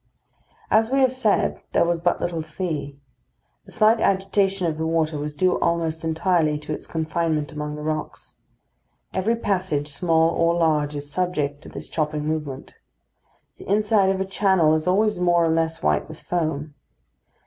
As we have said, there was but little sea. The slight agitation of the water was due almost entirely to its confinement among the rocks. Every passage, small or large, is subject to this chopping movement. The inside of a channel is always more or less white with foam.